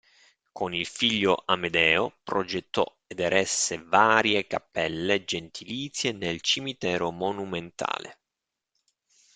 Con il figlio Amedeo progettò ed eresse varie cappelle gentilizie nel Cimitero monumentale.